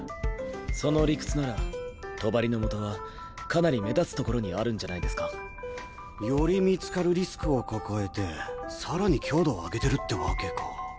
その理屈なら帳の基はかなり目立つ所にあるんじゃないですか？より見つかるリスクを抱えて更に強度を上げてるってわけか。